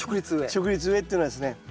直立植えっていうのはですね